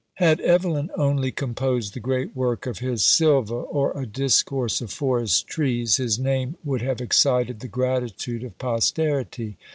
Had Evelyn only composed the great work of his "Sylva, or a Discourse of Forest Trees," his name would have excited the gratitude of posterity.